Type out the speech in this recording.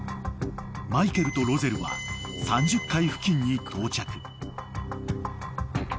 ［マイケルとロゼルは３０階付近に到着］